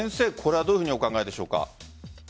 これはどうお考えでしょうか？